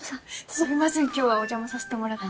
すいません今日はお邪魔させてもらって。